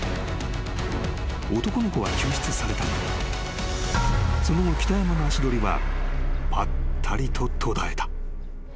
［男の子は救出されたがその後北山の足取りはぱったりと途絶えた］